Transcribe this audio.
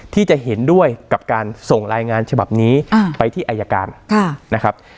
ที่จะเห็นด้วยกับการส่งรายงานฉบับนี้ไปที่อายการนะครับ